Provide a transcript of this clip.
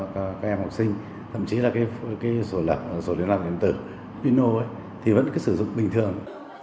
các em học sinh thậm chí là cái sổ liên lạc điện tử pino thì vẫn sử dụng bình thường